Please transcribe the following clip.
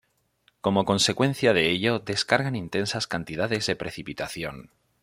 Como consecuencia de ello descargan intensas cantidades de precipitación.